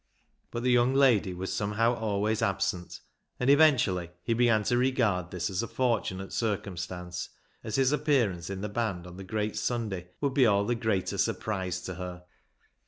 But the young lady was somehow always absent, and eventually he began to regard this as a fortunate circumstance, as his appearance in the band on the great Sunday would be all the greater surprise to her.